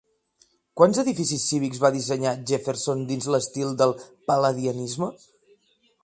Quants edificis cívics va dissenyar Jefferson dins l'estil del pal·ladianisme?